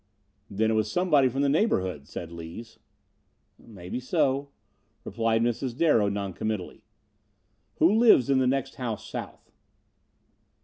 "Then it was somebody from the neighborhood," said Lees. "Maybe so," replied Mrs. Darrow, noncommittally. "Who lives in the next house south?"